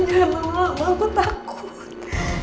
jangan lupa aku takut